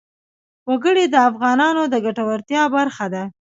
وګړي د افغانانو د ګټورتیا برخه ده.